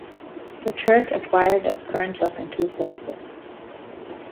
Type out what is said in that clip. The church acquired its current look in two phases.